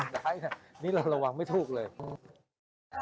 ได้นี่เราระวังไม่ถูกเลย